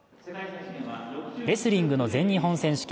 レスリングの全日本選手権。